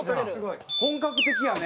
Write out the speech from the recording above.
本格的やね。